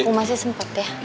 aku masih sempat ya